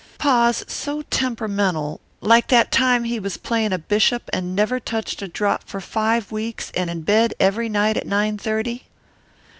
Pa's so temperamental like that time he was playing a Bishop and never touched a drop for five weeks, and in bed every night at nine thirty.